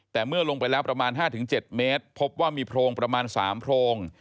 แต่เมื่อลงไปแล้วประมาณ๕๗เมตรพบว่ามีโพรงประมาณ๓โพรง